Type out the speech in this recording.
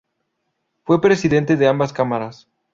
Fue presidente de ambas Cámaras.